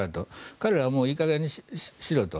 彼らはいい加減にしろと。